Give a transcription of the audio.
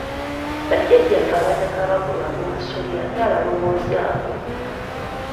Bajajjaffe abataka abakulu ab'obusolya ani abalowoozaako?